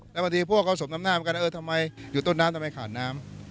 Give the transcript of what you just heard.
แล้วบางทีพวกเขาสมน้ำหน้าเหมือนกันเออทำไมอยู่ต้นน้ำทำไมขาดน้ำ